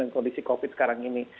kondisi covid sekarang ini